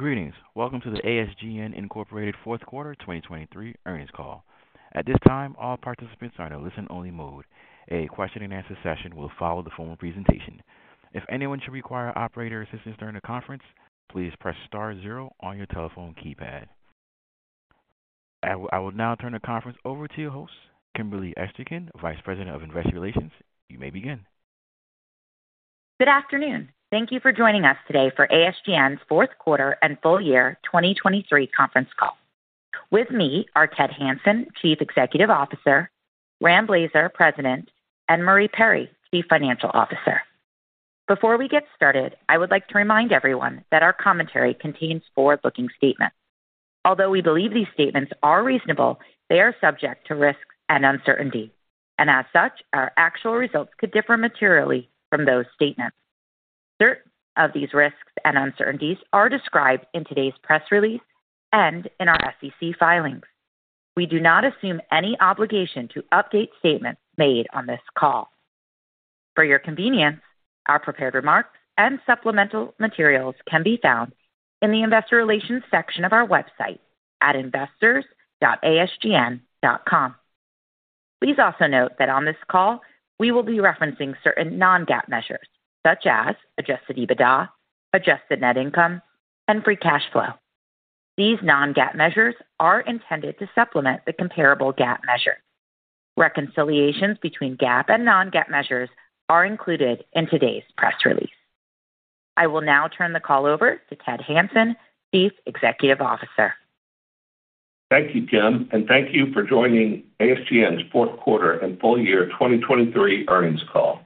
Greetings. Welcome to the ASGN Incorporated Fourth Quarter 2023 Earnings Call. At this time, all participants are in a listen-only mode. A question-and-answer session will follow the formal presentation. If anyone should require operator assistance during the conference, please press star zero on your telephone keypad. I will now turn the conference over to your host, Kimberly Esterkin, Vice President of Investor Relations. You may begin. Good afternoon. Thank you for joining us today for ASGN's fourth quarter and full year 2023 conference call. With me are Ted Hanson, Chief Executive Officer, Rand Blazer, President, and Marie Perry, Chief Financial Officer. Before we get started, I would like to remind everyone that our commentary contains forward-looking statements. Although we believe these statements are reasonable, they are subject to risks and uncertainty, and as such, our actual results could differ materially from those statements. Certain of these risks and uncertainties are described in today's press release and in our SEC filings. We do not assume any obligation to update statements made on this call. For your convenience, our prepared remarks and supplemental materials can be found in the Investor Relations section of our website at investors.asgn.com. Please also note that on this call, we will be referencing certain non-GAAP measures such as Adjusted EBITDA, adjusted net income, and Free Cash Flow. These non-GAAP measures are intended to supplement the comparable GAAP measure. Reconciliations between GAAP and non-GAAP measures are included in today's press release. I will now turn the call over to Ted Hanson, Chief Executive Officer. Thank you, Kim, and thank you for joining ASGN's fourth quarter and full year 2023 Earnings Call.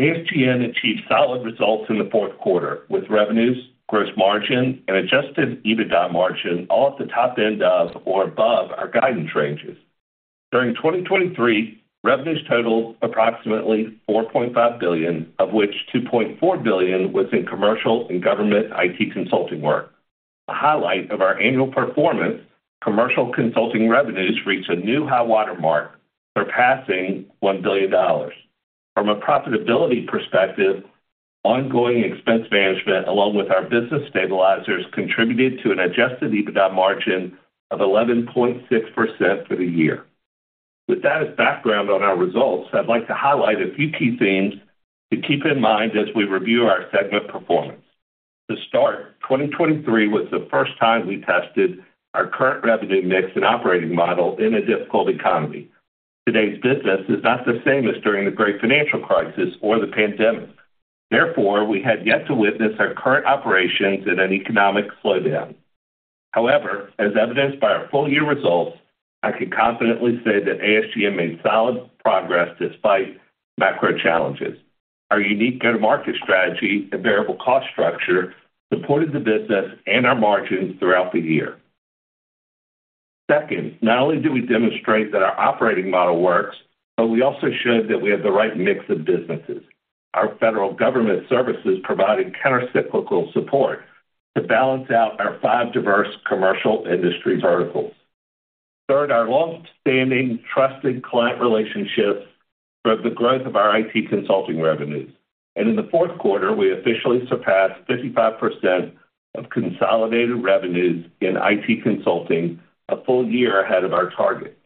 ASGN achieved solid results in the fourth quarter, with revenues, gross margin, and adjusted EBITDA margin all at the top end of or above our guidance ranges. During 2023, revenues totaled approximately $4.5 billion, of which $2.4 billion was in commercial and government IT consulting work. A highlight of our annual performance, commercial consulting revenues reached a new high-water mark, surpassing $1 billion. From a profitability perspective, ongoing expense management, along with our business stabilizers, contributed to an adjusted EBITDA margin of 11.6% for the year. With that as background on our results, I'd like to highlight a few key themes to keep in mind as we review our segment performance. To start, 2023 was the first time we tested our current revenue mix and operating model in a difficult economy. Today's business is not the same as during the great financial crisis or the pandemic. Therefore, we had yet to witness our current operations in an economic slowdown. However, as evidenced by our full-year results, I can confidently say that ASGN made solid progress despite macro challenges. Our unique go-to-market strategy and variable cost structure supported the business and our margins throughout the year. Second, not only did we demonstrate that our operating model works, but we also showed that we have the right mix of businesses. Our federal government services provided countercyclical support to balance out our five diverse commercial industry verticals. Third, our longstanding trusted client relationships drove the growth of our IT consulting revenues, and in the fourth quarter, we officially surpassed 55% of consolidated revenues in IT consulting, a full year ahead of our target.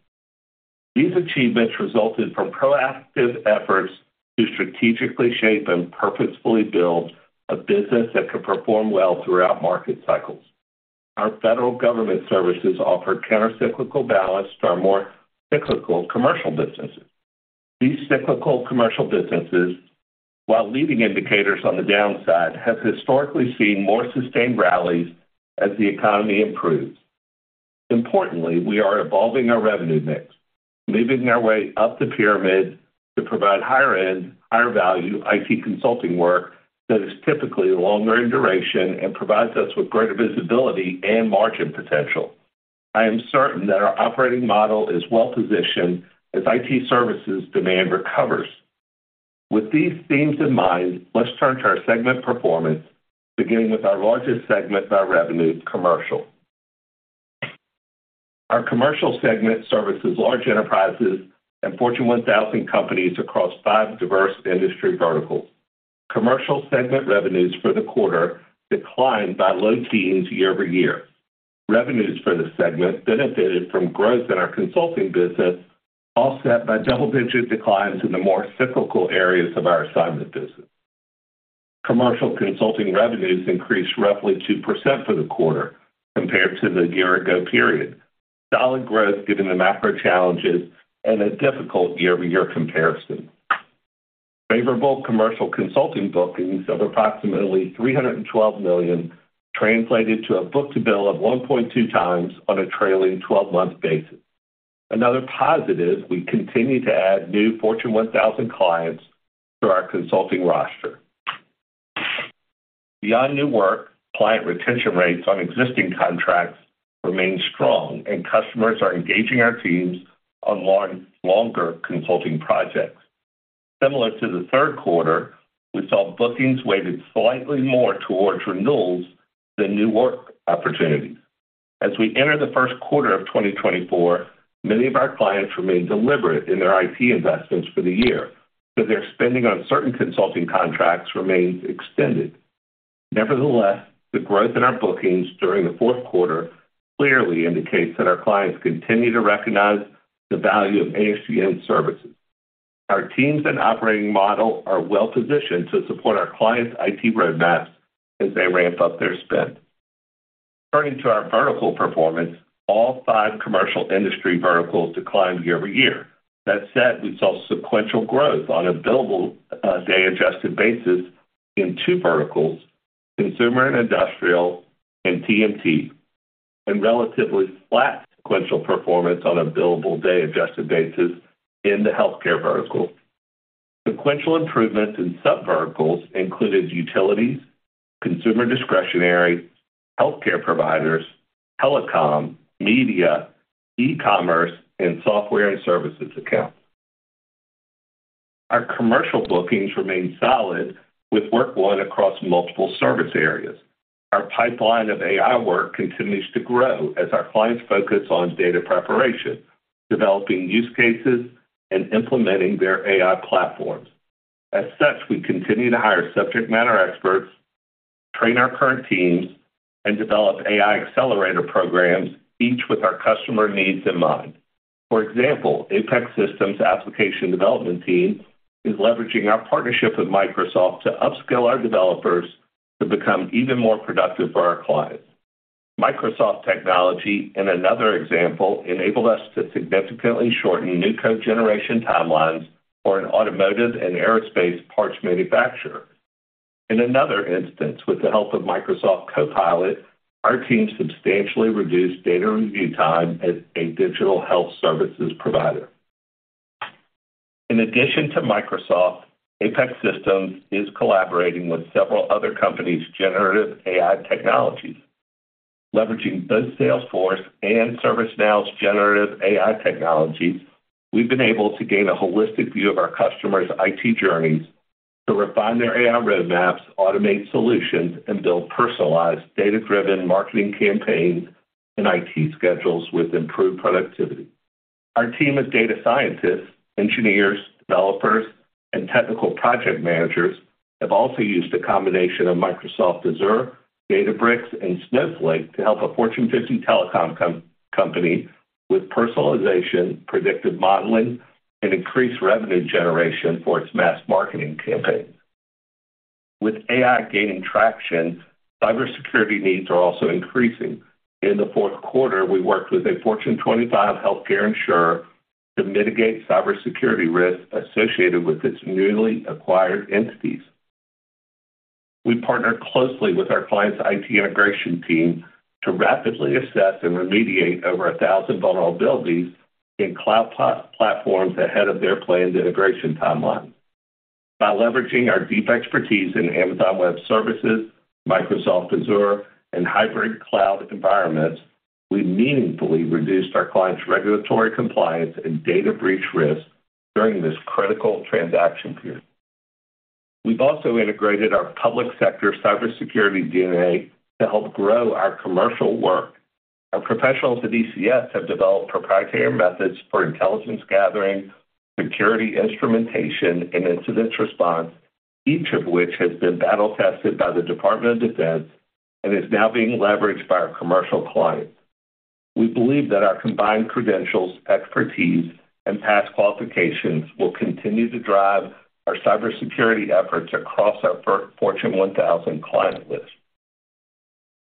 These achievements resulted from proactive efforts to strategically shape and purposefully build a business that could perform well throughout market cycles. Our federal government services offer countercyclical balance to our more cyclical commercial businesses. These cyclical commercial businesses, while leading indicators on the downside, have historically seen more sustained rallies as the economy improves. Importantly, we are evolving our revenue mix, moving our way up the pyramid to provide higher-end, higher-value IT consulting work that is typically longer in duration and provides us with greater visibility and margin potential. I am certain that our operating model is well-positioned as IT services demand recovers. With these themes in mind, let's turn to our segment performance, beginning with our largest segment by revenue, Commercial. Our Commercial segment services large enterprises and Fortune 1000 companies across five diverse industry verticals. Commercial segment revenues for the quarter declined by low teens year-over-year. Revenues for the segment benefited from growth in our consulting business, offset by double-digit declines in the more cyclical areas of our assignment business. Commercial consulting revenues increased roughly 2% for the quarter compared to the year-ago period. Solid growth given the macro challenges and a difficult year-over-year comparison. Favorable Commercial consulting bookings of approximately $312 million translated to a Book-to-Bill of 1.2 times on a trailing twelve-month basis. Another positive, we continue to add new Fortune 1000 clients to our consulting roster. Beyond new work, client retention rates on existing contracts remain strong, and customers are engaging our teams on longer consulting projects. Similar to the third quarter, we saw bookings weighted slightly more towards renewals than new work opportunities.... As we enter the first quarter of 2024, many of our clients remain deliberate in their IT investments for the year, but their spending on certain consulting contracts remains extended. Nevertheless, the growth in our bookings during the fourth quarter clearly indicates that our clients continue to recognize the value of ASGN services. Our teams and operating model are well-positioned to support our clients' IT roadmaps as they ramp up their spend. Turning to our vertical performance, all five commercial industry verticals declined year-over-year. That said, we saw sequential growth on a billable day-adjusted basis in two verticals, consumer and industrial and TMT, and relatively flat sequential performance on a billable day-adjusted basis in the healthcare vertical. Sequential improvements in sub-verticals included utilities, consumer discretionary, healthcare providers, telecom, media, e-commerce, and software and services accounts. Our commercial bookings remained solid, with work won across multiple service areas. Our pipeline of AI work continues to grow as our clients focus on data preparation, developing use cases, and implementing their AI platforms. As such, we continue to hire subject matter experts, train our current teams, and develop AI accelerator programs, each with our customer needs in mind. For example, Apex Systems application development team is leveraging our partnership with Microsoft to upskill our developers to become even more productive for our clients. Microsoft technology, in another example, enabled us to significantly shorten new code generation timelines for an automotive and aerospace parts manufacturer. In another instance, with the help of Microsoft Copilot, our team substantially reduced data review time at a digital health services provider. In addition to Microsoft, Apex Systems is collaborating with several other companies' generative AI technologies. Leveraging both Salesforce and ServiceNow's generative AI technologies, we've been able to gain a holistic view of our customers' IT journeys to refine their AI roadmaps, automate solutions, and build personalized, data-driven marketing campaigns and IT schedules with improved productivity. Our team of data scientists, engineers, developers, and technical project managers have also used a combination of Microsoft Azure, Databricks, and Snowflake to help a Fortune 50 telecom company with personalization, predictive modeling, and increased revenue generation for its mass marketing campaigns. With AI gaining traction, cybersecurity needs are also increasing. In the fourth quarter, we worked with a Fortune 25 healthcare insurer to mitigate cybersecurity risks associated with its newly acquired entities. We partnered closely with our client's IT integration team to rapidly assess and remediate over 1,000 vulnerabilities in cloud platforms ahead of their planned integration timeline. By leveraging our deep expertise in Amazon Web Services, Microsoft Azure, and hybrid cloud environments, we meaningfully reduced our client's regulatory compliance and data breach risk during this critical transaction period. We've also integrated our public sector cybersecurity DNA to help grow our commercial work. Our professionals at ECS have developed proprietary methods for intelligence gathering, security instrumentation, and incident response, each of which has been battle-tested by the Department of Defense and is now being leveraged by our commercial clients. We believe that our combined credentials, expertise, and past qualifications will continue to drive our cybersecurity efforts across our Fortune 1000 client list.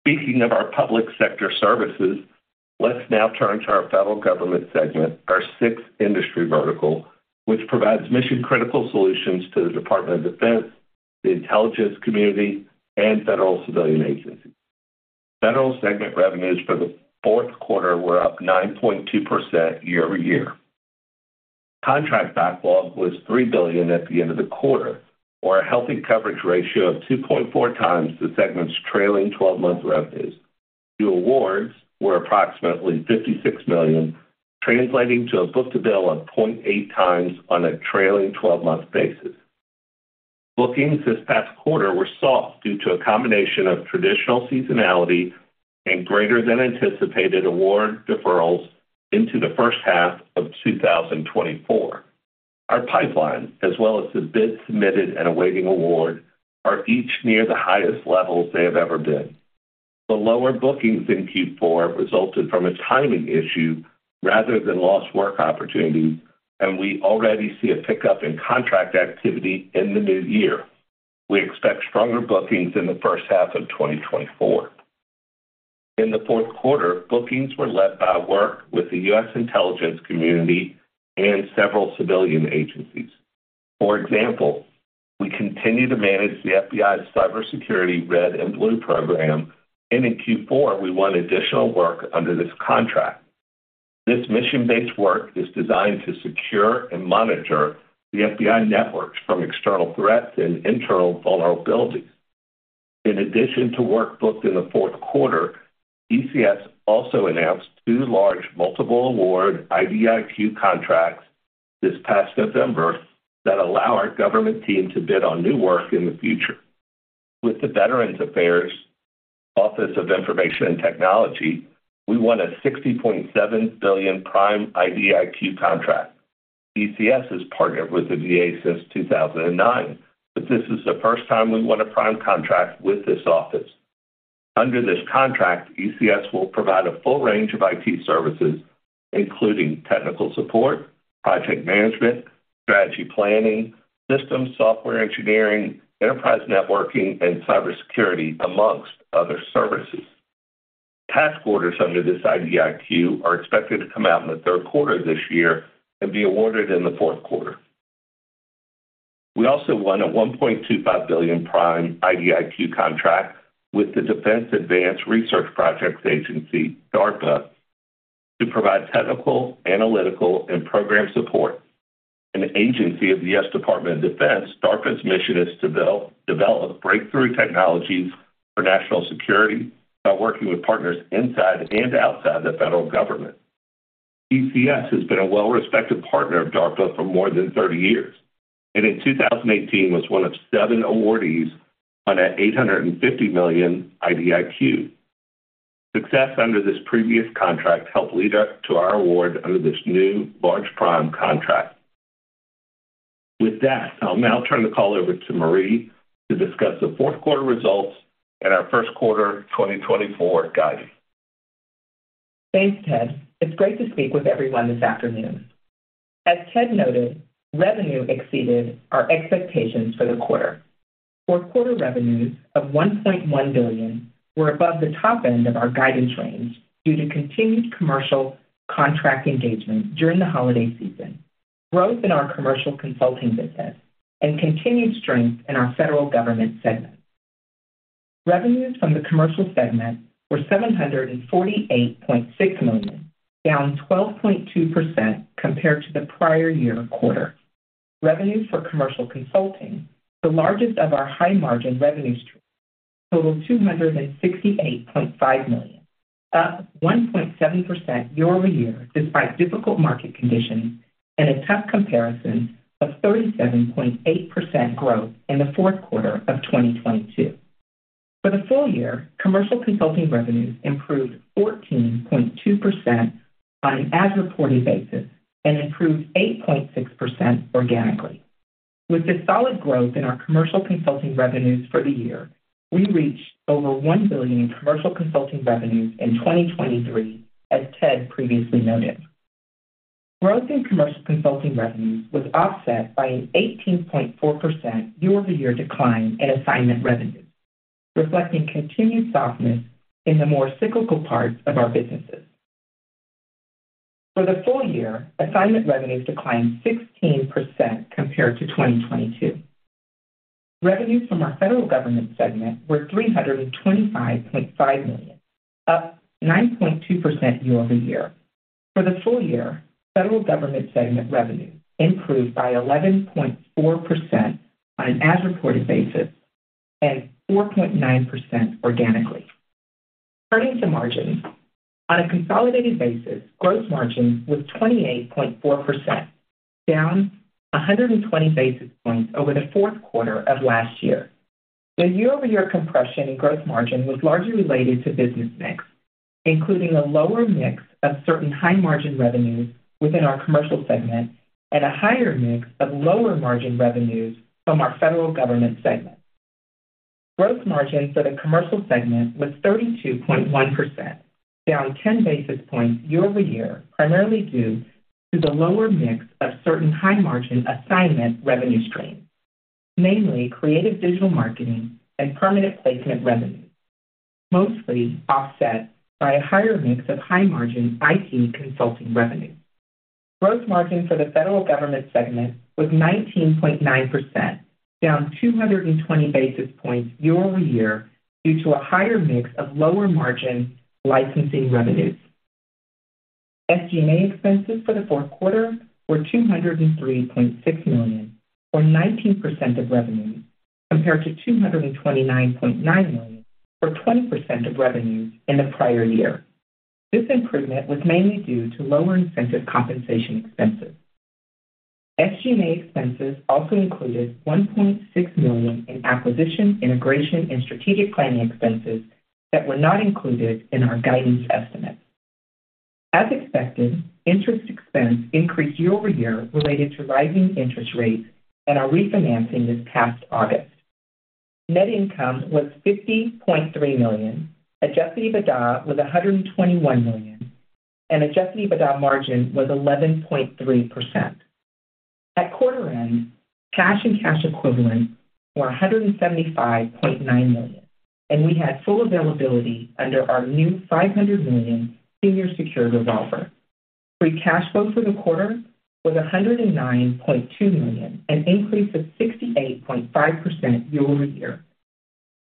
Speaking of our public sector services, let's now turn to our federal government segment, our sixth industry vertical, which provides mission-critical solutions to the Department of Defense, the intelligence community, and federal civilian agencies. Federal segment revenues for the fourth quarter were up 9.2% year-over-year. Contract backlog was $3 billion at the end of the quarter, or a healthy coverage ratio of 2.4 times the segment's trailing twelve-month revenues. New awards were approximately $56 million, translating to a book-to-bill of 0.8 times on a trailing twelve-month basis. Bookings this past quarter were soft due to a combination of traditional seasonality and greater than anticipated award deferrals into the first half of 2024. Our pipeline, as well as the bids submitted and awaiting award, are each near the highest levels they have ever been. The lower bookings in fourth quarter resulted from a timing issue rather than lost work opportunities, and we already see a pickup in contract activity in the new year. We expect stronger bookings in the first half of 2024. In the fourth quarter, bookings were led by work with the U.S. intelligence community and several civilian agencies. For example, we continue to manage the FBI's cybersecurity Red and Blue Program, and in fourth quarter, we won additional work under this contract. This mission-based work is designed to secure and monitor the FBI networks from external threats and internal vulnerabilities. In addition to work booked in the fourth quarter, ECS also announced two large multiple award IDIQ contracts... This past November that allow our government team to bid on new work in the future. With the Veterans Affairs Office of Information and Technology, we won a $60.7 billion prime IDIQ contract. ECS has partnered with the VA since 2009, but this is the first time we've won a prime contract with this office. Under this contract, ECS will provide a full range of IT services, including technical support, project management, strategy planning, system software engineering, enterprise networking, and cybersecurity, amongst other services. Task orders under this IDIQ are expected to come out in the third quarter this year and be awarded in the fourth quarter. We also won a $1.25 billion prime IDIQ contract with the Defense Advanced Research Projects Agency, DARPA, to provide technical, analytical, and program support. An agency of the U.S. Department of Defense, DARPA's mission is to develop breakthrough technologies for national security by working with partners inside and outside the federal government. ECS has been a well-respected partner of DARPA for more than 30 years, and in 2018, was one of 7 awardees on an $850 million IDIQ. Success under this previous contract helped lead up to our award under this new large prime contract. With that, I'll now turn the call over to Marie to discuss the fourth quarter results and our first quarter 2024 guidance. Thanks, Ted. It's great to speak with everyone this afternoon. As Ted noted, revenue exceeded our expectations for the quarter. Fourth quarter revenues of $1.1 billion were above the top end of our guidance range due to continued commercial contract engagement during the holiday season, growth in our commercial consulting business, and continued strength in our federal government segment. Revenues from the commercial segment were $748.6 million, down 12.2% compared to the prior year quarter. Revenues for commercial consulting, the largest of our high-margin revenue streams, totaled $268.5 million, up 1.7% year over year, despite difficult market conditions and a tough comparison of 37.8% growth in the fourth quarter of 2022. For the full year, commercial consulting revenues improved 14.2% on an as-reported basis and improved 8.6% organically. With the solid growth in our commercial consulting revenues for the year, we reached over $1 billion in commercial consulting revenues in 2023, as Ted previously noted. Growth in commercial consulting revenues was offset by an 18.4% year-over-year decline in assignment revenues, reflecting continued softness in the more cyclical parts of our businesses. For the full year, assignment revenues declined 16% compared to 2022. Revenues from our federal government segment were $325.5 million, up 9.2% year-over-year. For the full year, federal government segment revenues improved by 11.4% on an as-reported basis and 4.9% organically. Turning to margins. On a consolidated basis, gross margin was 28.4%, down 120 basis points over the fourth quarter of last year. The year-over-year compression in gross margin was largely related to business mix, including a lower mix of certain high-margin revenues within our commercial segment and a higher mix of lower-margin revenues from our federal government segment. Gross margin for the commercial segment was 32.1%, down 10 basis points year-over-year, primarily due to the lower mix of certain high-margin assignment revenue streams, mainly creative digital marketing and permanent placement revenues, mostly offset by a higher mix of high-margin IT consulting revenues. Gross margin for the federal government segment was 19.9%, down 220 basis points year-over-year, due to a higher mix of lower-margin licensing revenues. SG&A expenses for the fourth quarter were $203.6 million, or 19% of revenues, compared to $229.9 million, or 20% of revenues in the prior year. This improvement was mainly due to lower incentive compensation expenses. SG&A expenses also included $1.6 million in acquisition, integration, and strategic planning expenses that were not included in our guidance estimates. As expected, interest expense increased year-over-year related to rising interest rates and our refinancing this past August. Net income was $50.3 million, adjusted EBITDA was $121 million, and adjusted EBITDA margin was 11.3%. At quarter end, cash and cash equivalents were $175.9 million, and we had full availability under our new $500 million senior secured revolver. Free cash flow for the quarter was $109.2 million, an increase of 68.5% year-over-year.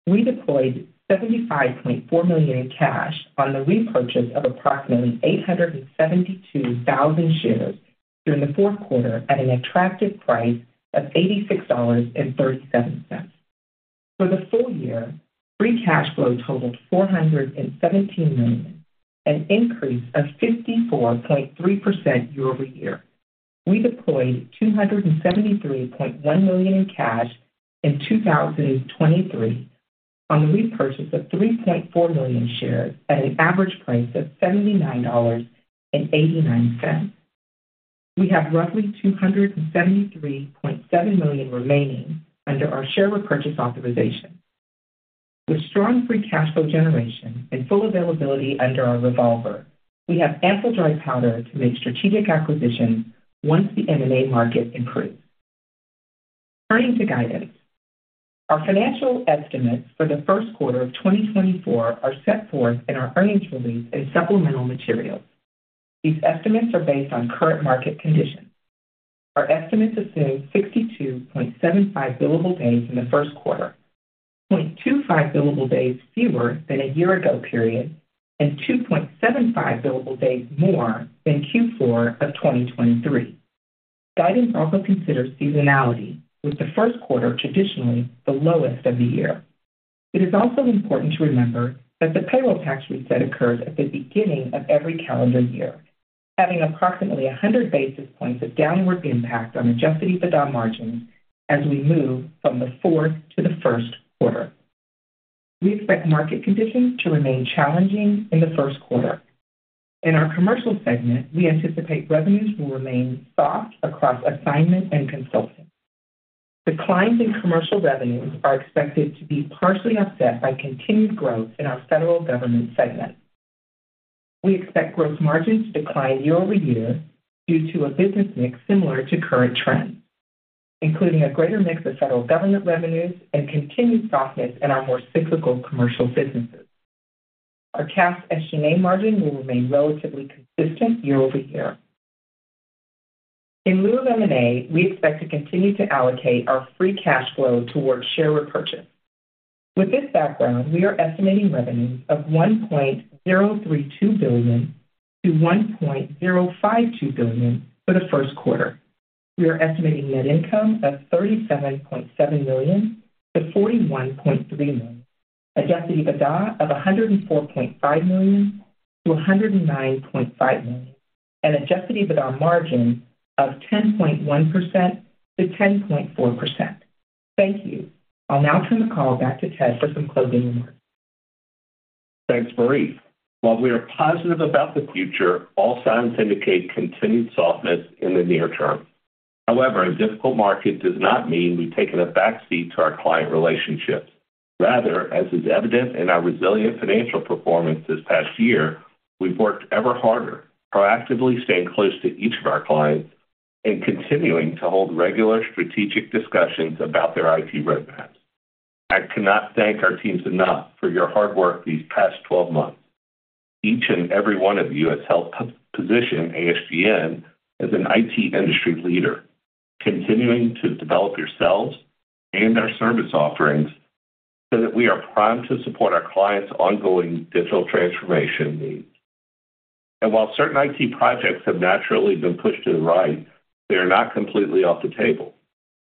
We deployed $75.4 million in cash on the repurchase of approximately 872,000 shares during the fourth quarter at an attractive price of $86.37. For the full year, free cash flow totaled $417 million, an increase of 54.3% year-over-year. We deployed $273.1 million in cash in 2023 on the repurchase of 3.4 million shares at an average price of $79.89. We have roughly $273.7 million remaining under our share repurchase authorization. With strong free cash flow generation and full availability under our revolver, we have ample dry powder to make strategic acquisitions once the M&A market improves. Turning to guidance, our financial estimates for the first quarter of 2024 are set forth in our earnings release and supplemental materials. These estimates are based on current market conditions. Our estimates assume 62.75 billable days in the first quarter, 0.25 billable days fewer than a year ago period, and 2.75 billable days more than fourth quarter of 2023. Guidance also considers seasonality, with the first quarter traditionally the lowest of the year. It is also important to remember that the payroll tax reset occurs at the beginning of every calendar year, having approximately 100 basis points of downward impact on Adjusted EBITDA margins as we move from the fourth to the first quarter. We expect market conditions to remain challenging in the first quarter. In our commercial segment, we anticipate revenues will remain soft across assignment and consulting. Declines in commercial revenues are expected to be partially offset by continued growth in our federal government segment. We expect gross margins to decline year-over-year due to a business mix similar to current trends, including a greater mix of federal government revenues and continued softness in our more cyclical commercial businesses. Our cash SG&A margin will remain relatively consistent year-over-year. In lieu of M&A, we expect to continue to allocate our free cash flow towards share repurchase. With this background, we are estimating revenues of $1.032 billion-$1.052 billion for the first quarter. We are estimating net income of $37.7 million-$41.3 million, adjusted EBITDA of $104.5 million-$109.5 million, and adjusted EBITDA margin of 10.1%-10.4%. Thank you. I'll now turn the call back to Ted for some closing remarks. Thanks, Marie. While we are positive about the future, all signs indicate continued softness in the near term. However, a difficult market does not mean we've taken a backseat to our client relationships. Rather, as is evident in our resilient financial performance this past year, we've worked ever harder, proactively staying close to each of our clients and continuing to hold regular strategic discussions about their IT roadmaps. I cannot thank our teams enough for your hard work these past 12 months. Each and every one of you has helped position ASGN as an IT industry leader, continuing to develop yourselves and our service offerings so that we are primed to support our clients' ongoing digital transformation needs. And while certain IT projects have naturally been pushed to the right, they are not completely off the table.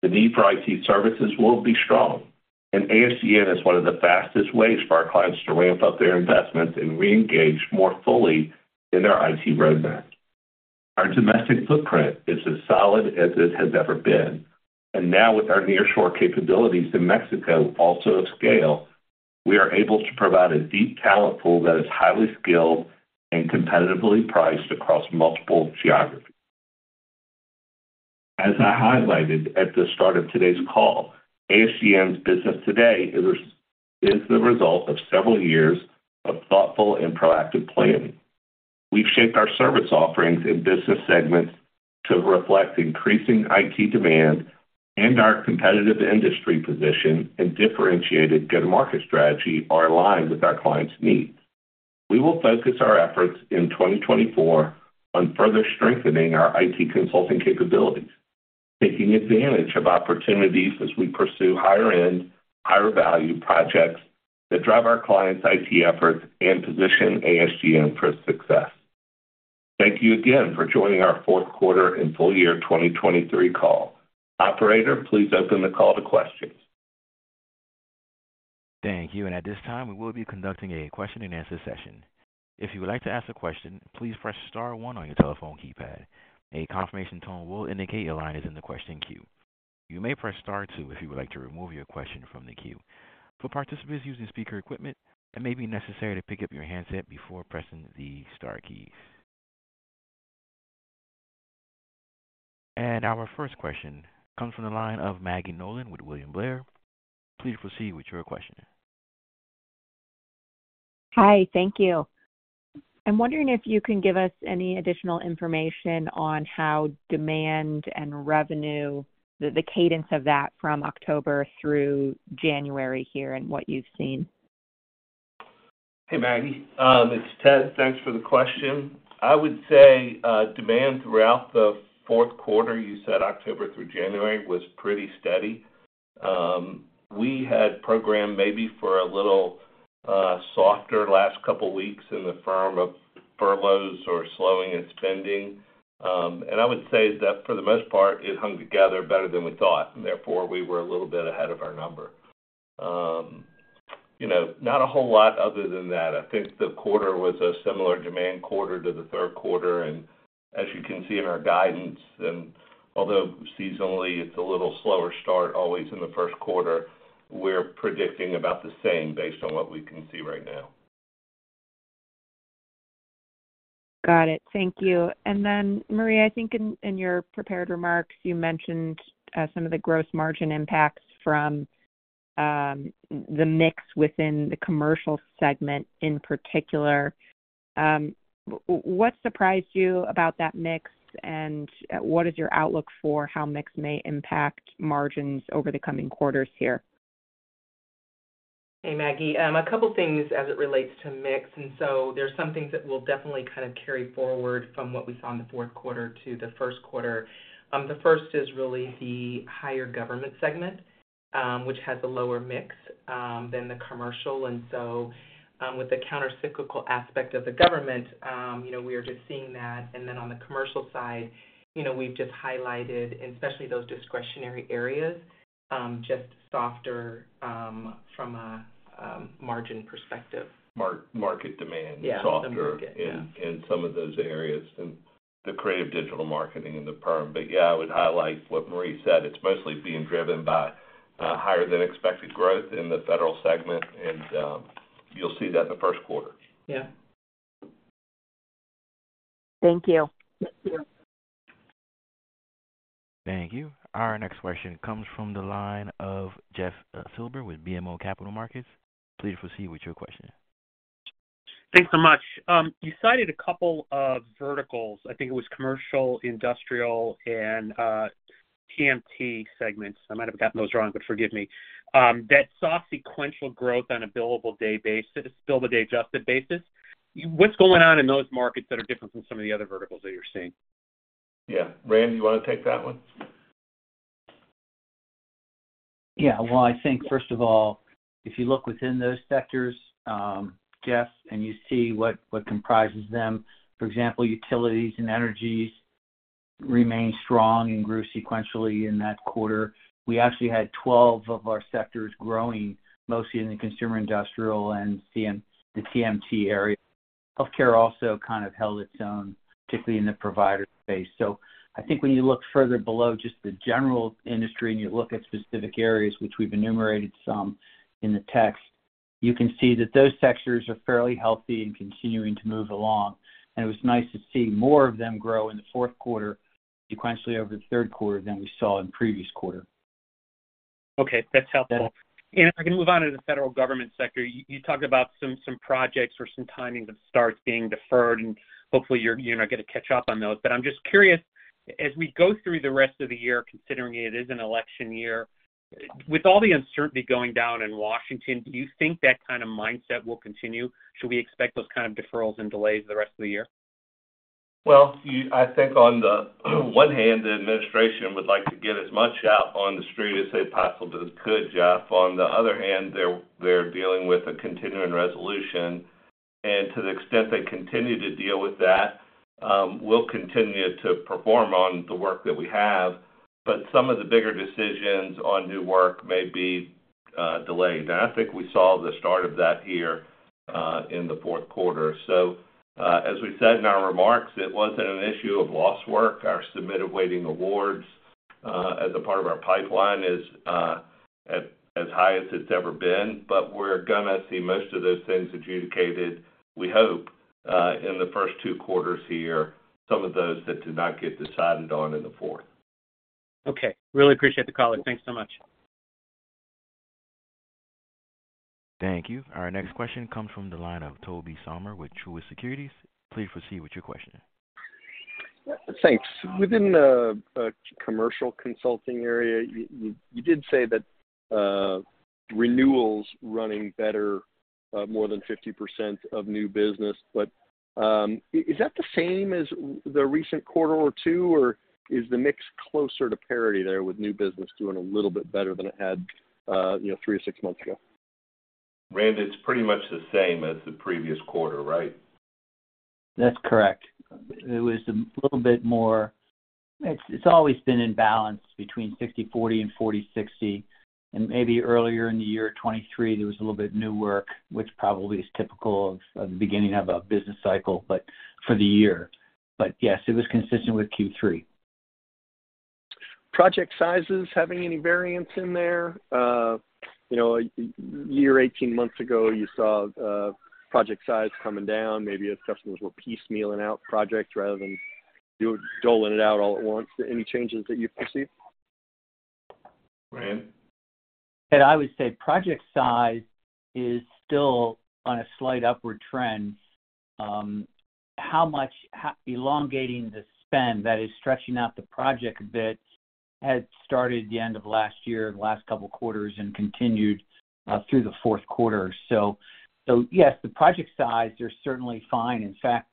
The need for IT services will be strong, and ASGN is one of the fastest ways for our clients to ramp up their investments and reengage more fully in their IT roadmap. Our domestic footprint is as solid as it has ever been, and now with our nearshore capabilities in Mexico also at scale, we are able to provide a deep talent pool that is highly skilled and competitively priced across multiple geographies. As I highlighted at the start of today's call, ASGN's business today is the result of several years of thoughtful and proactive planning. We've shaped our service offerings and business segments to reflect increasing IT demand and our competitive industry position and differentiated go-to-market strategy are aligned with our clients' needs. We will focus our efforts in 2024 on further strengthening our IT consulting capabilities, taking advantage of opportunities as we pursue higher end, higher value projects that drive our clients' IT efforts and position ASGN for success. Thank you again for joining our fourth quarter and full year 2023 call. Operator, please open the call to questions. Thank you. At this time, we will be conducting a question and answer session. If you would like to ask a question, please press star one on your telephone keypad. A confirmation tone will indicate your line is in the question queue. You may press star two if you would like to remove your question from the queue. For participants using speaker equipment, it may be necessary to pick up your handset before pressing the star keys. Our first question comes from the line of Maggie Nolan with William Blair. Please proceed with your question. Hi, thank you. I'm wondering if you can give us any additional information on how demand and revenue, the cadence of that from October through January here and what you've seen? Hey, Maggie, it's Ted. Thanks for the question. I would say demand throughout the fourth quarter, you said October through January, was pretty steady. We had programmed maybe for a little softer last couple weeks in the form of furloughs or slowing in spending. And I would say that for the most part, it hung together better than we thought, and therefore, we were a little bit ahead of our number. You know, not a whole lot other than that. I think the quarter was a similar demand quarter to the third quarter, and as you can see in our guidance, and although seasonally it's a little slower start always in the first quarter, we're predicting about the same based on what we can see right now. Got it. Thank you. And then, Marie, I think in, in your prepared remarks, you mentioned some of the gross margin impacts from the mix within the commercial segment in particular. What surprised you about that mix, and what is your outlook for how mix may impact margins over the coming quarters here? Hey, Maggie. A couple of things as it relates to mix, and so there's some things that will definitely kind of carry forward from what we saw in the fourth quarter to the first quarter. The first is really the higher government segment, which has a lower mix than the commercial. And so, with the countercyclical aspect of the government, you know, we are just seeing that. And then on the commercial side, you know, we've just highlighted, especially those discretionary areas, just softer, from a margin perspective. Mark market demand Yeah - softer- The market, yeah.... in some of those areas, and the creative digital marketing in the firm. But yeah, I would highlight what Marie said. It's mostly being driven by higher than expected growth in the federal segment, and you'll see that in the first quarter. Yeah. Thank you. Thank you. Thank you. Our next question comes from the line of Jeff Silber with BMO Capital Markets. Please proceed with your question. Thanks so much. You cited a couple of verticals. I think it was commercial, industrial, and TMT segments. I might have gotten those wrong, but forgive me. That soft sequential growth on a billable day basis, billable day adjusted basis, what's going on in those markets that are different from some of the other verticals that you're seeing? Yeah. Rand, you want to take that one? Yeah. Well, I think first of all, if you look within those sectors, Jeff, and you see what, what comprises them, for example, utilities and energies remain strong and grew sequentially in that quarter. We actually had 12 of our sectors growing, mostly in the consumer industrial, and TM- the TMT area. Healthcare also kind of held its own, particularly in the provider space. So I think when you look further below just the general industry, and you look at specific areas which we've enumerated some in the text, you can see that those sectors are fairly healthy and continuing to move along. It was nice to see more of them grow in the fourth quarter sequentially over the third quarter than we saw in the previous quarter. Okay, that's helpful. And if I can move on to the federal government sector, you talked about some projects or some timings of starts being deferred, and hopefully you're going to catch up on those. But I'm just curious, as we go through the rest of the year, considering it is an election year, with all the uncertainty going down in Washington, do you think that kind of mindset will continue? Should we expect those kind of deferrals and delays the rest of the year? Well, I think on the one hand, the administration would like to get as much out on the street as they possibly could, Jeff. On the other hand, they're dealing with a Continuing Resolution, and to the extent they continue to deal with that, we'll continue to perform on the work that we have, but some of the bigger decisions on new work may be delayed. I think we saw the start of that here in the fourth quarter. So, as we said in our remarks, it wasn't an issue of lost work. Our submitted waiting awards as a part of our pipeline is at as high as it's ever been, but we're gonna see most of those things adjudicated, we hope, in the first two quarters here, some of those that did not get decided on in the fourth. Okay. Really appreciate the call. Thanks so much. Thank you. Our next question comes from the line of Tobey Sommer with Truist Securities. Please proceed with your question. Thanks. Within the commercial consulting area, you did say that renewals running better, more than 50% of new business, but is that the same as with the recent quarter or two, or is the mix closer to parity there, with new business doing a little bit better than it had, you know, 3-6 months ago? Rand, it's pretty much the same as the previous quarter, right? That's correct. It was a little bit more... It's, it's always been in balance between 60/40 and 40/60, and maybe earlier in the year, 2023, there was a little bit new work, which probably is typical of, of the beginning of a business cycle, but for the year. But yes, it was consistent with Q3. Project sizes having any variance in there? You know, a year, 18 months ago, you saw project size coming down. Maybe as customers were piecemealing out projects rather than doling it out all at once. Any changes that you've perceived? Rand? I would say project size is still on a slight upward trend. How much elongating the spend that is stretching out the project a bit had started the end of last year, the last couple of quarters, and continued through the fourth quarter. So, so yes, the project sizes are certainly fine. In fact,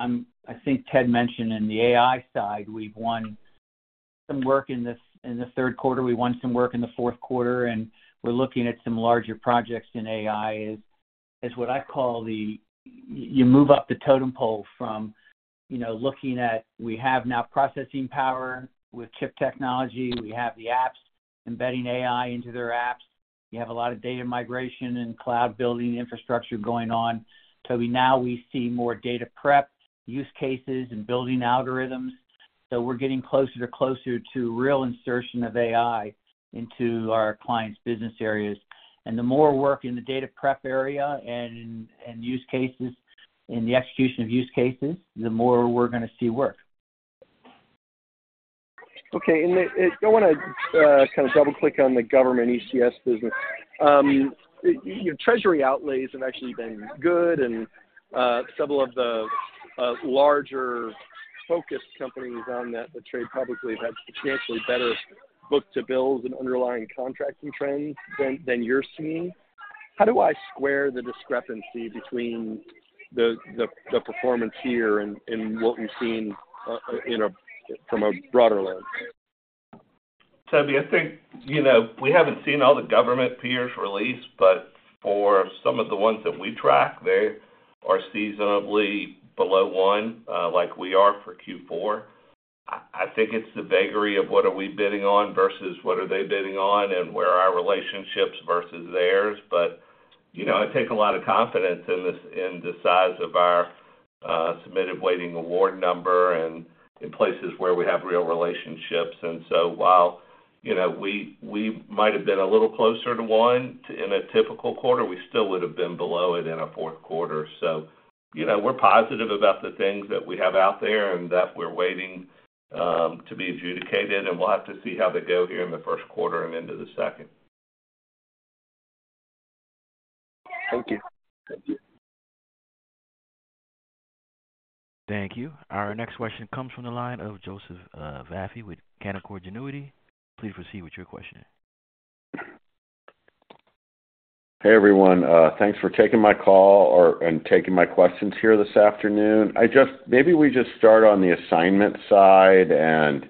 I think Ted mentioned in the AI side, we've won some work in this, in the third quarter. We won some work in the fourth quarter, and we're looking at some larger projects in AI is what I call the you move up the totem pole from, you know, looking at we have now processing power with chip technology. We have the apps embedding AI into their apps. We have a lot of data migration and cloud building infrastructure going on. So we now we see more data prep, use cases, and building algorithms. So we're getting closer to closer to real insertion of AI into our clients' business areas. And the more work in the data prep area and, and use cases, in the execution of use cases, the more we're gonna see work. Okay, and I wanna kind of double-click on the government ECS business. Your treasury outlays have actually been good, and several of the larger focused companies on that that trade publicly have had substantially better book to bills and underlying contracting trends than you're seeing. How do I square the discrepancy between the performance here and what you're seeing from a broader lens? I think, you know, we haven't seen all the government peers release, but for some of the ones that we track, they are seasonally below one, like we are for fourth quarter. I think it's the vagary of what are we bidding on versus what are they bidding on and where are our relationships versus theirs. But, you know, I take a lot of confidence in the size of our submitted waiting award number and in places where we have real relationships. So while, you know, we might have been a little closer to one in a typical quarter, we still would have been below it in a fourth quarter. You know, we're positive about the things that we have out there and that we're waiting to be adjudicated, and we'll have to see how they go here in the first quarter and into the second. Thank you. Thank you. Thank you. Our next question comes from the line of Joseph Vafi with Canaccord Genuity. Please proceed with your question. Hey, everyone, thanks for taking my call or and taking my questions here this afternoon. I just, maybe we just start on the assignment side and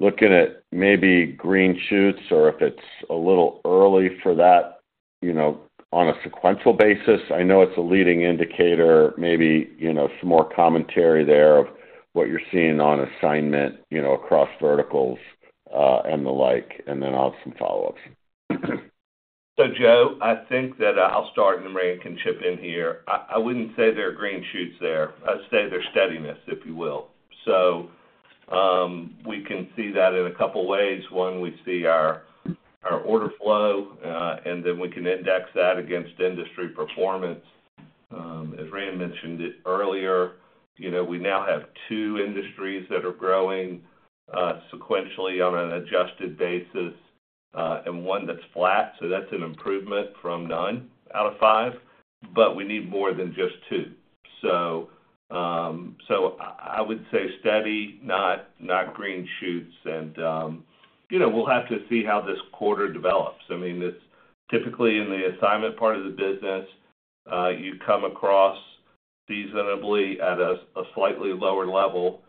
looking at maybe green shoots or if it's a little early for that, you know, on a sequential basis. I know it's a leading indicator, maybe, you know, some more commentary there of what you're seeing on assignment, you know, across verticals and the like, and then I'll have some follow-ups. So, Joe, I think that I'll start, and Rand can chip in here. I wouldn't say there are green shoots there. I'd say there's steadiness, if you will. So, we can see that in a couple of ways. One, we see our order flow, and then we can index that against industry performance. As Rand mentioned it earlier, you know, we now have two industries that are growing sequentially on an adjusted basis, and one that's flat, so that's an improvement from none out of five, but we need more than just two. So, so I would say steady, not green shoots. And, you know, we'll have to see how this quarter develops. I mean, it's typically in the assignment part of the business, you come across seasonably at a, a slightly lower level,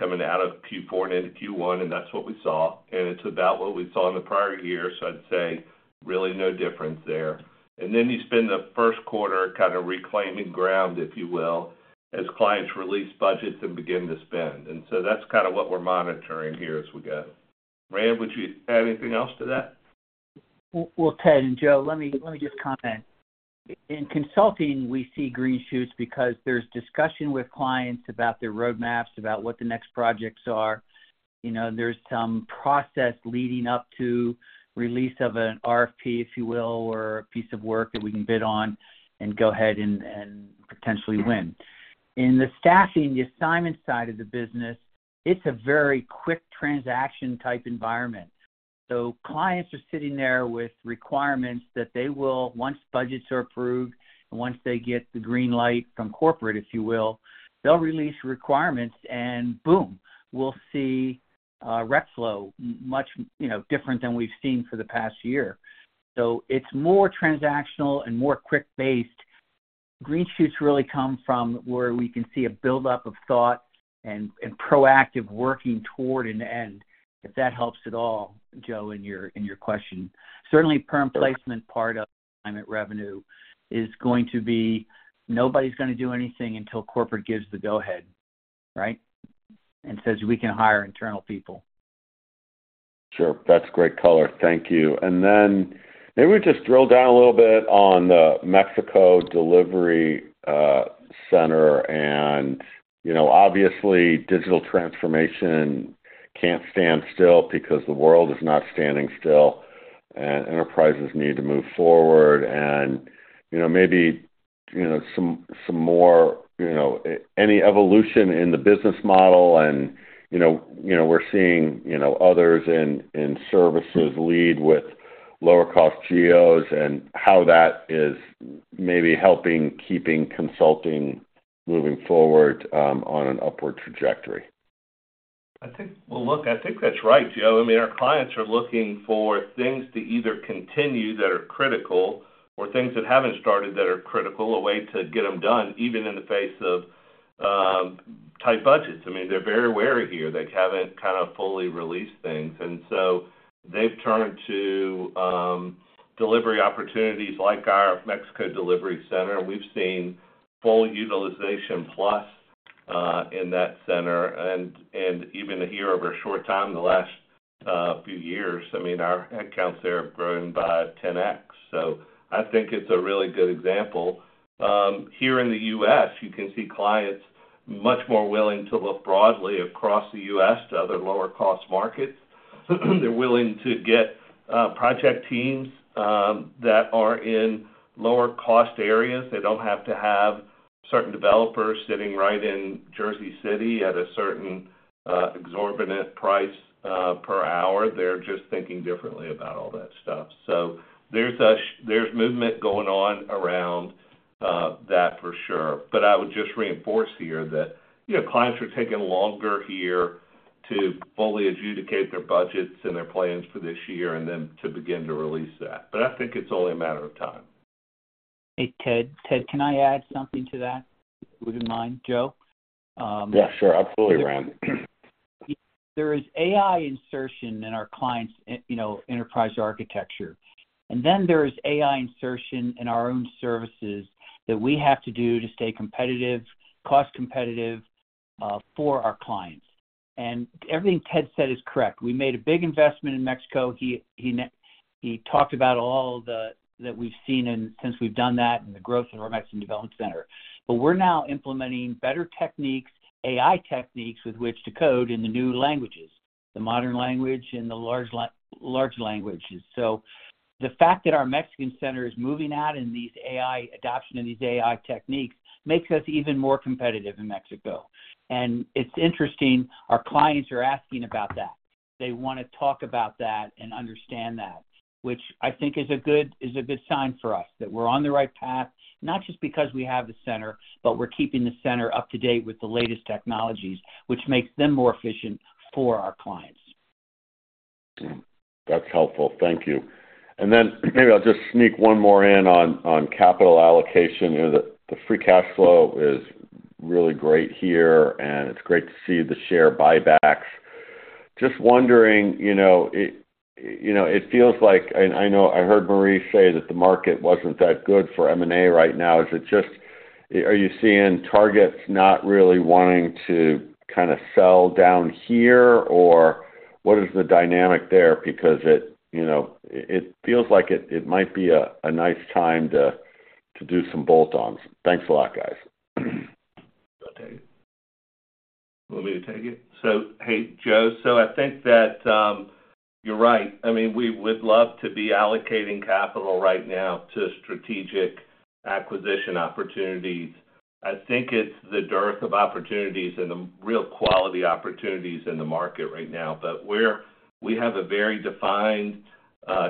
coming out of fourth quarter and into first quarter, and that's what we saw, and it's about what we saw in the prior year, so I'd say really no difference there. And then you spend the first quarter kind of reclaiming ground, if you will, as clients release budgets and begin to spend. And so that's kind of what we're monitoring here as we go. Rand, would you add anything else to that? Well, well, Ted and Joe, let me, let me just comment. In consulting, we see green shoots because there's discussion with clients about their roadmaps, about what the next projects are. You know, there's some process leading up to release of an RFP, if you will, or a piece of work that we can bid on and go ahead and, and potentially win. In the staffing, the assignment side of the business, it's a very quick transaction type environment. So clients are sitting there with requirements that they will, once budgets are approved, once they get the green light from corporate, if you will, they'll release requirements, and boom, we'll see rep flow much, you know, different than we've seen for the past year. So it's more transactional and more quick-based. Green shoots really come from where we can see a buildup of thought and proactive working toward an end, if that helps at all, Joe, in your question. Certainly, perm placement part of client revenue is going to be... Nobody's gonna do anything until corporate gives the go ahead, right? And says, we can hire internal people. Sure. That's great color. Thank you. And then maybe we just drill down a little bit on the Mexico delivery center. And you know, obviously, digital transformation can't stand still because the world is not standing still, and enterprises need to move forward and, you know, maybe, you know, some, some more, you know, any evolution in the business model and, you know, you know, we're seeing, you know, others in, in services lead with lower-cost geos and how that is maybe helping, keeping consulting, moving forward on an upward trajectory. I think... Well, look, I think that's right, Joe. I mean, our clients are looking for things to either continue that are critical or things that haven't started that are critical, a way to get them done, even in the face of tight budgets. I mean, they're very wary here. They haven't kind of fully released things, and so they've turned to delivery opportunities like our Mexico delivery center. We've seen full utilization plus in that center. And even here over a short time in the last few years, I mean, our headcounts there have grown by 10x. So I think it's a really good example. Here in the U.S., you can see clients much more willing to look broadly across the U.S. to other lower-cost markets. They're willing to get project teams that are in lower-cost areas. They don't have to have certain developers sitting right in Jersey City at a certain exorbitant price per hour. They're just thinking differently about all that stuff. So there's movement going on around that for sure. But I would just reinforce here that, you know, clients are taking longer here to fully adjudicate their budgets and their plans for this year and then to begin to release that. But I think it's only a matter of time. Hey, Ted. Ted, can I add something to that, if you wouldn't mind, Joe? Yeah, sure. Absolutely, Rand. There is AI insertion in our clients', you know, enterprise architecture, and then there is AI insertion in our own services that we have to do to stay competitive, cost competitive, for our clients. And everything Ted said is correct. We made a big investment in Mexico. He talked about all the, that we've seen and since we've done that, and the growth in our Mexican development center. But we're now implementing better techniques, AI techniques, with which to code in the new languages, the modern language and the large languages. So the fact that our Mexican center is moving out in these AI, adoption of these AI techniques, makes us even more competitive in Mexico. And it's interesting, our clients are asking about that. They wanna talk about that and understand that, which I think is a good sign for us, that we're on the right path, not just because we have the center, but we're keeping the center up to date with the latest technologies, which makes them more efficient for our clients. That's helpful. Thank you. And then maybe I'll just sneak one more in on capital allocation. You know, the free cash flow is really great here, and it's great to see the share buybacks. Just wondering, you know, it feels like... And I know I heard Marie say that the market wasn't that good for M&A right now. Is it just- Are you seeing targets not really wanting to kind of sell down here, or what is the dynamic there? Because it, you know, feels like it might be a nice time to do some bolt-ons. Thanks a lot, guys. I'll take it. You want me to take it? So, hey, Joe. So I think that, you're right. I mean, we would love to be allocating capital right now to strategic acquisition opportunities. I think it's the dearth of opportunities and the real quality opportunities in the market right now. But we have a very defined,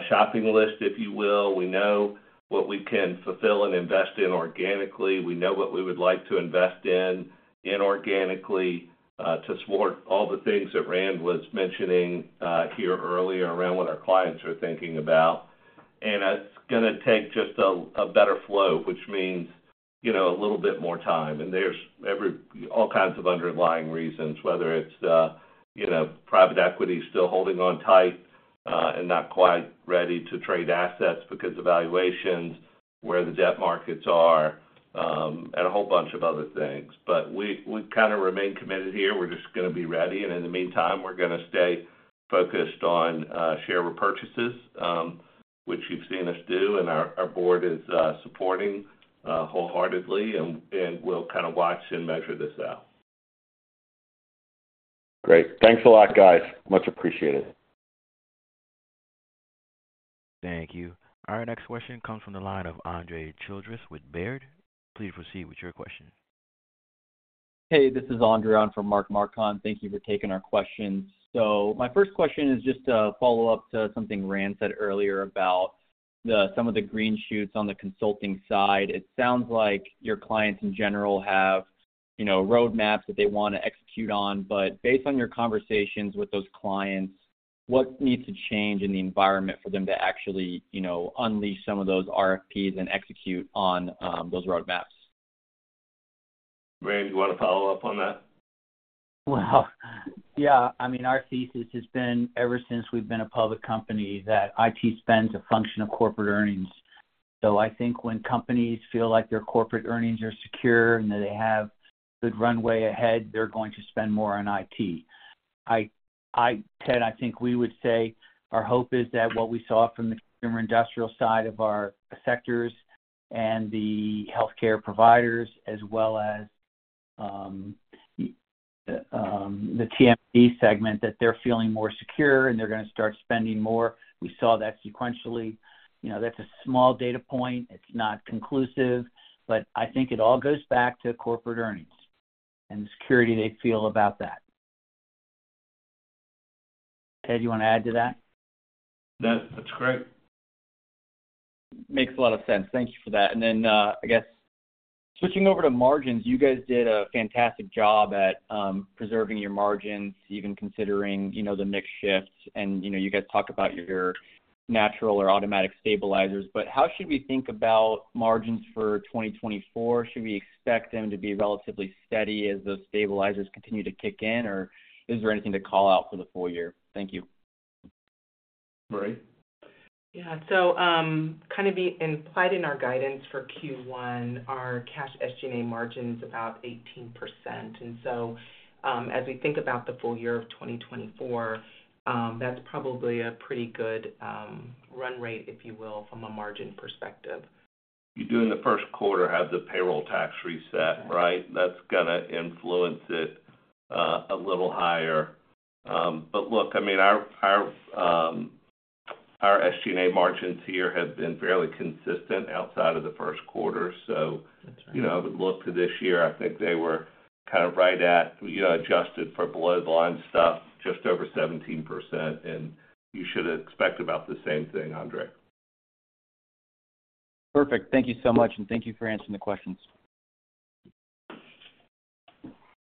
shopping list, if you will. We know what we can fulfill and invest in organically. We know what we would like to invest in inorganically, to support all the things that Rand was mentioning, here earlier around what our clients are thinking about. And it's gonna take just a better flow, which means, you know, a little bit more time. And there's every, all kinds of underlying reasons, whether it's, you know, private equity still holding on tight, and not quite ready to trade assets because of valuations, where the debt markets are, and a whole bunch of other things. But we, we've kind of remained committed here. We're just gonna be ready, and in the meantime, we're gonna stay focused on, share repurchases, which you've seen us do, and our, our board is, supporting, wholeheartedly, and, and we'll kind of watch and measure this out. Great. Thanks a lot, guys. Much appreciated. Thank you. Our next question comes from the line of Andre Childress with Baird. Please proceed with your question. Hey, this is Andre. I'm from Mark Marcon. Thank you for taking our questions. So my first question is just a follow-up to something Rand said earlier about the, some of the green shoots on the consulting side. It sounds like your clients in general have, you know, roadmaps that they want to execute on. But based on your conversations with those clients, what needs to change in the environment for them to actually, you know, unleash some of those RFPs and execute on those roadmaps? Rand, you want to follow up on that? Well, yeah. I mean, our thesis has been, ever since we've been a public company, that IT spend is a function of corporate earnings. So I think when companies feel like their corporate earnings are secure and that they have good runway ahead, they're going to spend more on IT. Ted, I think we would say our hope is that what we saw from the consumer industrial side of our sectors and the healthcare providers, as well as the TMT segment, that they're feeling more secure, and they're going to start spending more. We saw that sequentially. You know, that's a small data point. It's not conclusive, but I think it all goes back to corporate earnings and the security they feel about that. Ted, you want to add to that? That, that's great. Makes a lot of sense. Thank you for that. Then, I guess switching over to margins, you guys did a fantastic job at preserving your margins, even considering, you know, the mix shifts, and, you know, you guys talked about your natural or automatic stabilizers. But how should we think about margins for 2024? Should we expect them to be relatively steady as those stabilizers continue to kick in, or is there anything to call out for the full year? Thank you.... Marie? Yeah, so, kind of the implied in our guidance for first quarter, our cash SG&A margin is about 18%. And so, as we think about the full year of 2024, that's probably a pretty good run rate, if you will, from a margin perspective. You do in the first quarter, have the payroll tax reset, right? That's going to influence it a little higher. But look, I mean, our SG&A margins here have been fairly consistent outside of the first quarter. So- That's right. You know, look, to this year, I think they were kind of right at, you know, adjusted for below-the-line stuff, just over 17%, and you should expect about the same thing, Andre. Perfect. Thank you so much, and thank you for answering the questions.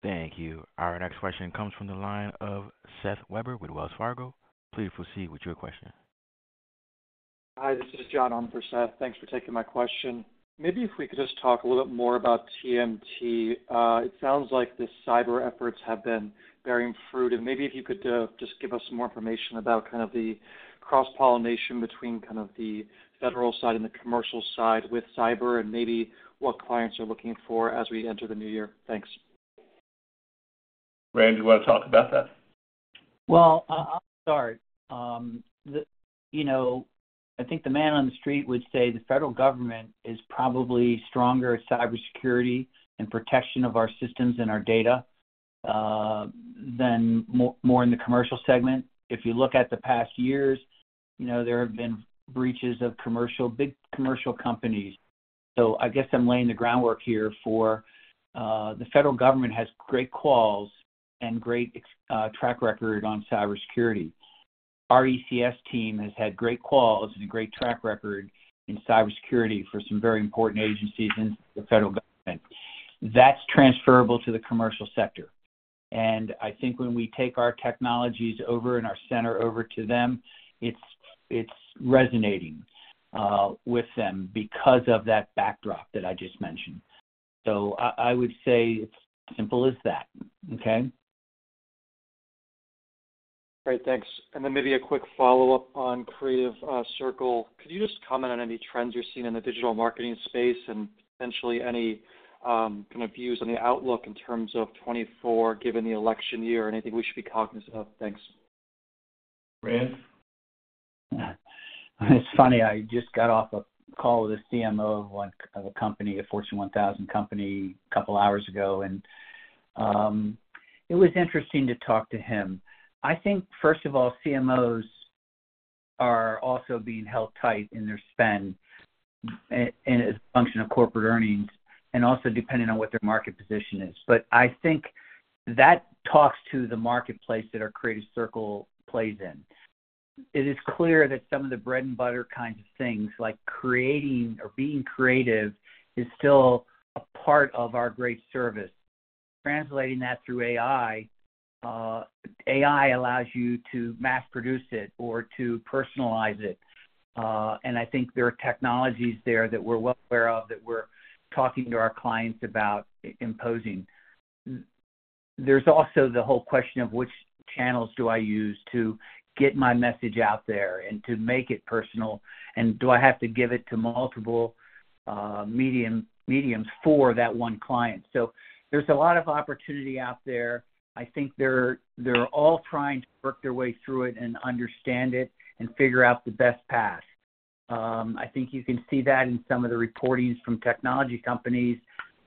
Thank you. Our next question comes from the line of Seth Weber with Wells Fargo. Please proceed with your question. Hi, this is John on for Seth. Thanks for taking my question. Maybe if we could just talk a little bit more about TMT. It sounds like the cyber efforts have been bearing fruit, and maybe if you could just give us some more information about kind of the cross-pollination between kind of the federal side and the commercial side with cyber and maybe what clients are looking for as we enter the new year. Thanks. Rand, do you want to talk about that? Well, I'll start. You know, I think the man on the street would say the federal government is probably stronger at cybersecurity and protection of our systems and our data than in the commercial segment. If you look at the past years, you know, there have been breaches of big commercial companies. So I guess I'm laying the groundwork here for the federal government has great quals and great track record on cybersecurity. Our ECS team has had great quals and a great track record in cybersecurity for some very important agencies in the federal government. That's transferable to the commercial sector. And I think when we take our technologies over and our center over to them, it's resonating with them because of that backdrop that I just mentioned. So I would say it's simple as that. Okay? Great, thanks. And then maybe a quick follow-up on Creative Circle. Could you just comment on any trends you're seeing in the digital marketing space and potentially any kind of views on the outlook in terms of 2024, given the election year and anything we should be cognizant of? Thanks. Rand? It's funny, I just got off a call with a CMO of one of a company, a Fortune 1000 company, a couple of hours ago, and it was interesting to talk to him. I think, first of all, CMOs are also being held tight in their spend as a function of corporate earnings and also depending on what their market position is. But I think that talks to the marketplace that our Creative Circle plays in. It is clear that some of the bread and butter kinds of things, like creating or being creative, is still a part of our great service. Translating that through AI, AI allows you to mass produce it or to personalize it, and I think there are technologies there that we're well aware of, that we're talking to our clients about imposing. There's also the whole question of which channels do I use to get my message out there and to make it personal, and do I have to give it to multiple mediums for that one client? So there's a lot of opportunity out there. I think they're, they're all trying to work their way through it and understand it and figure out the best path. I think you can see that in some of the reportings from technology companies.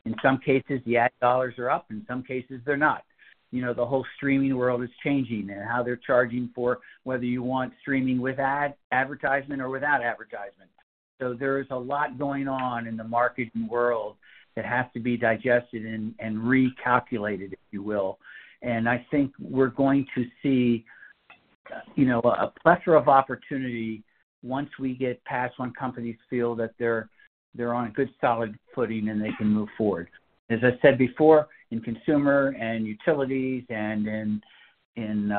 In some cases, the ad dollars are up, in some cases, they're not. You know, the whole streaming world is changing and how they're charging for whether you want streaming with ad, advertisement or without advertisement. So there is a lot going on in the marketing world that has to be digested and, and recalculated, if you will. I think we're going to see, you know, a plethora of opportunity once we get past when companies feel that they're, they're on a good, solid footing, and they can move forward. As I said before, in consumer and utilities and in, in,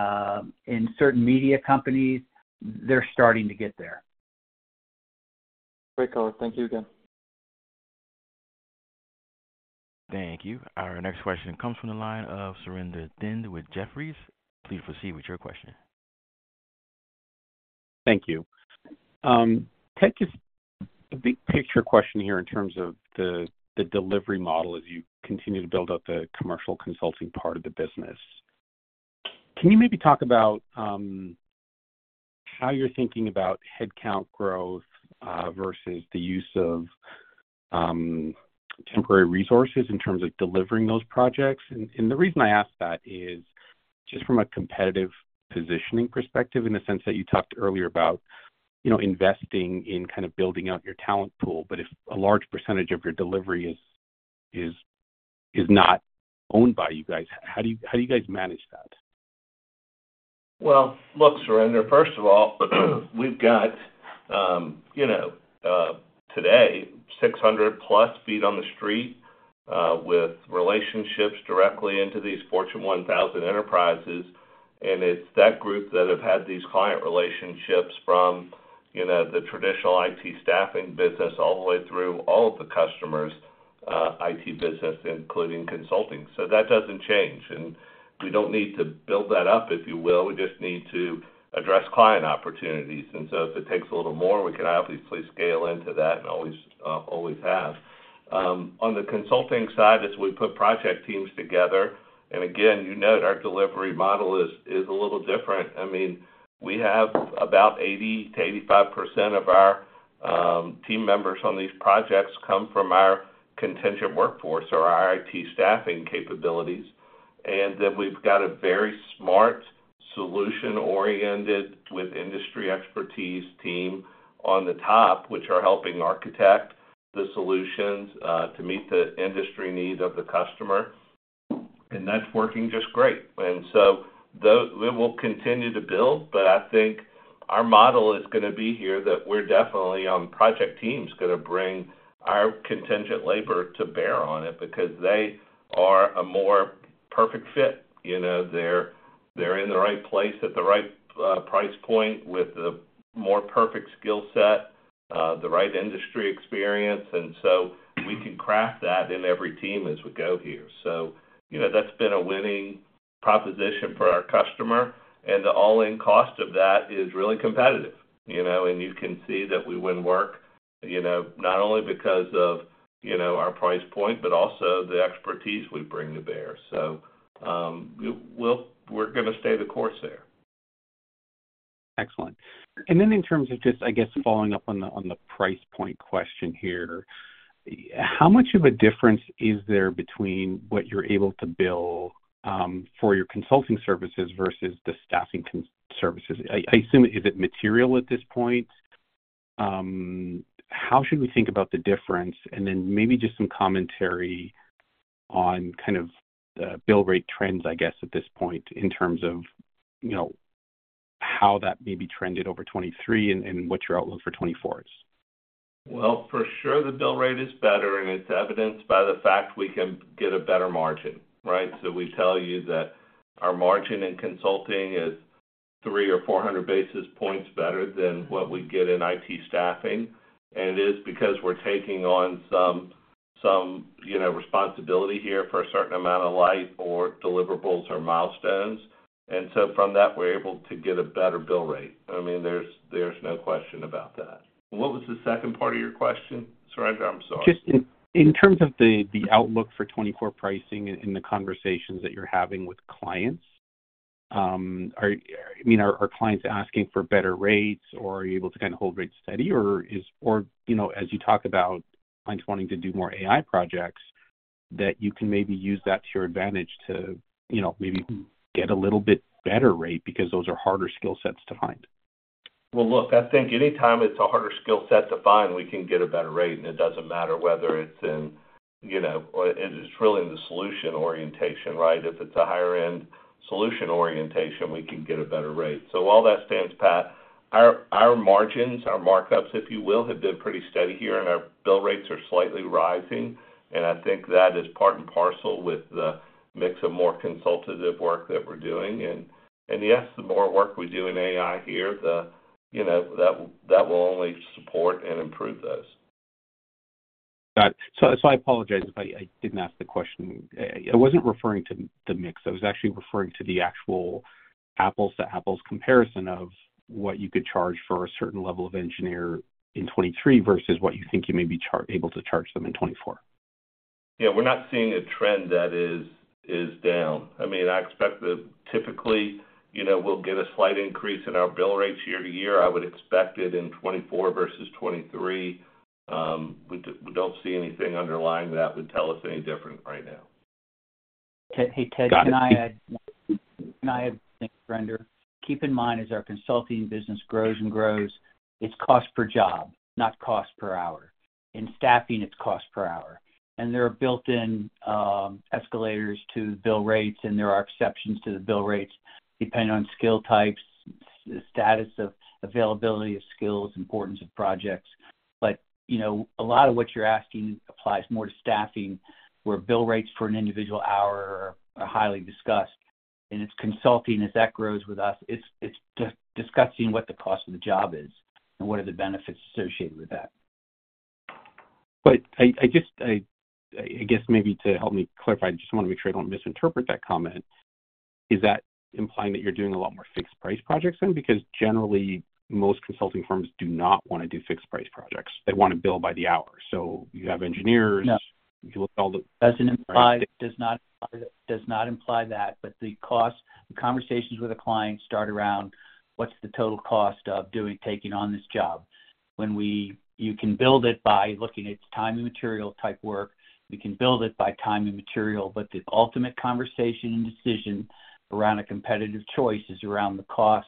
in certain media companies, they're starting to get there. Great call. Thank you again. Thank you. Our next question comes from the line of Surinder Thind with Jefferies. Please proceed with your question. Thank you. Ted, just a big picture question here in terms of the delivery model as you continue to build out the commercial consulting part of the business. Can you maybe talk about how you're thinking about headcount growth versus the use of temporary resources in terms of delivering those projects? And the reason I ask that is just from a competitive positioning perspective, in the sense that you talked earlier about, you know, investing in kind of building out your talent pool. But if a large percentage of your delivery is not owned by you guys, how do you guys manage that? Well, look, Surinder, first of all, we've got, you know, today, 600+ feet on the street, with relationships directly into these Fortune 1000 enterprises. And it's that group that have had these client relationships from-... you know, the traditional IT staffing business all the way through all of the customers, IT business, including consulting. So that doesn't change, and we don't need to build that up, if you will. We just need to address client opportunities. And so if it takes a little more, we can obviously scale into that, and always, always have. On the consulting side, as we put project teams together, and again, you note our delivery model is a little different. I mean, we have about 80%-85% of our team members on these projects come from our contingent workforce or our IT staffing capabilities. And then we've got a very smart, solution-oriented, with industry expertise team on the top, which are helping architect the solutions to meet the industry needs of the customer, and that's working just great. And so we will continue to build, but I think our model is gonna be here, that we're definitely, on project teams, gonna bring our contingent labor to bear on it because they are a more perfect fit. You know, they're in the right place at the right price point with the more perfect skill set, the right industry experience, and so we can craft that in every team as we go here. So, you know, that's been a winning proposition for our customer, and the all-in cost of that is really competitive, you know? And you can see that we win work, you know, not only because of, you know, our price point, but also the expertise we bring to bear. So, we're gonna stay the course there. Excellent. And then in terms of just, I guess, following up on the, on the price point question here, how much of a difference is there between what you're able to bill for your consulting services versus the staffing consulting services? I assume, is it material at this point? How should we think about the difference? And then maybe just some commentary on kind of the bill rate trends, I guess, at this point, in terms of, you know, how that may be trended over 2023 and what your outlook for 2024 is. Well, for sure the bill rate is better, and it's evidenced by the fact we can get a better margin, right? So we tell you that our margin in consulting is 300 or 400 basis points better than what we get in IT staffing, and it is because we're taking on some, you know, responsibility here for a certain amount of light or deliverables or milestones. And so from that, we're able to get a better bill rate. I mean, there's no question about that. What was the second part of your question, Surinder? I'm sorry. Just in terms of the outlook for 2024 pricing and the conversations that you're having with clients, I mean, are clients asking for better rates, or are you able to kind of hold rates steady, or, you know, as you talk about clients wanting to do more AI projects, that you can maybe use that to your advantage to, you know, maybe get a little bit better rate because those are harder skill sets to find. Well, look, I think anytime it's a harder skill set to find, we can get a better rate, and it doesn't matter whether it's in, you know, it's really in the solution orientation, right? If it's a higher-end solution orientation, we can get a better rate. So while that stands pat, our margins, our markups, if you will, have been pretty steady here, and our bill rates are slightly rising. And yes, the more work we do in AI here, the, you know, that will only support and improve those. Got it. I apologize if I didn't ask the question. I wasn't referring to the mix. I was actually referring to the actual apples to apples comparison of what you could charge for a certain level of engineer in 2023 versus what you think you may be able to charge them in 2024. Yeah, we're not seeing a trend that is, is down. I mean, I expect that typically, you know, we'll get a slight increase in our bill rates year to year. I would expect it in 2024 versus 2023. We don't, we don't see anything underlying that would tell us any different right now. Hey, Ted, can I add- Got it. Can I add something, Surinder? Keep in mind, as our consulting business grows and grows, it's cost per job, not cost per hour. In staffing, it's cost per hour. And there are built-in escalators to bill rates, and there are exceptions to the bill rates depending on skill types, status of availability of skills, importance of projects. But, you know, a lot of what you're asking applies more to staffing, where bill rates for an individual hour are highly discussed. And it's consulting, as that grows with us, it's just discussing what the cost of the job is and what are the benefits associated with that. But I just, I guess maybe to help me clarify, I just want to make sure I don't misinterpret that comment. Is that implying that you're doing a lot more fixed price projects then? Because generally, most consulting firms do not want to do fixed price projects. They want to bill by the hour. So you have engineers- No. You look at all the- Does not imply that, but the cost, the conversations with the client start around: What's the total cost of doing, taking on this job? When you can build it by looking at time and material type work. We can build it by time and material, but the ultimate conversation and decision around a competitive choice is around the cost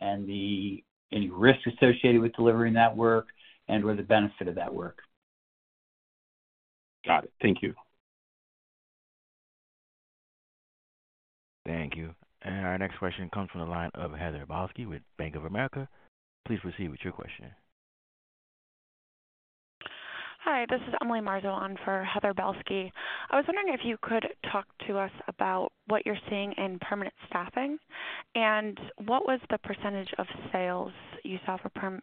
and any risk associated with delivering that work and/or the benefit of that work. Got it. Thank you. Thank you. Our next question comes from the line of Heather Balsky with Bank of America. Please proceed with your question. Hi, this is Emily Marzin for Heather Balsky. I was wondering if you could talk to us about what you're seeing in permanent staffing, and what was the percentage of sales you saw for perm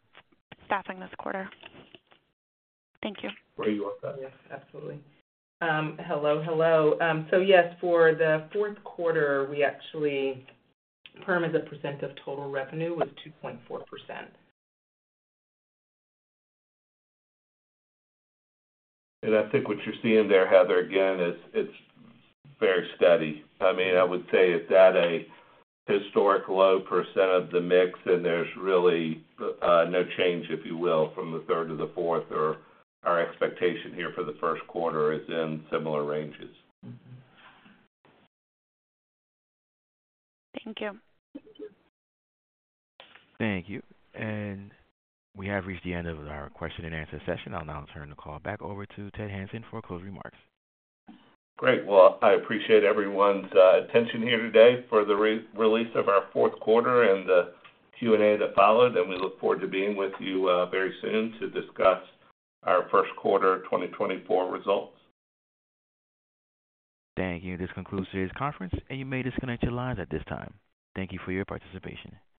staffing this quarter? Thank you. Are you on that? Yes, absolutely. Hello, hello. So yes, for the fourth quarter, we actually... Perm as a percent of total revenue was 2.4%. I think what you're seeing there, Heather, again, is it's very steady. I mean, I would say it's at a historic low % of the mix, and there's really no change, if you will, from the third to the fourth, or our expectation here for the first quarter is in similar ranges. Thank you. Thank you. We have reached the end of our question-and-answer session. I'll now turn the call back over to Ted Hanson for closing remarks. Great. Well, I appreciate everyone's attention here today for the re-release of our fourth quarter and the Q&A that followed, and we look forward to being with you very soon to discuss our first quarter 2024 results. Thank you. This concludes today's conference, and you may disconnect your lines at this time. Thank you for your participation.